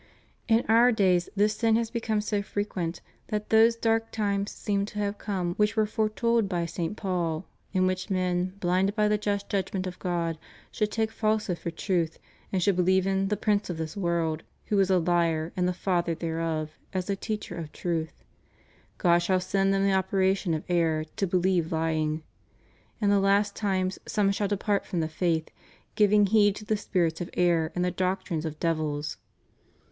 In our days this sin has become so frequent that those dark times seem to have come which were foretold by St. Paul, in which men, bhnded by the just judgment of God, should take falsehood for truth, and should believe in "the prince of this world," who is a har and the father thereof, as a teacher of truth: God shall send them the operation of error, to believe lying} In the last times soriie shall depart from the faith; giving heed to the spirits of error and the doctrines of devils?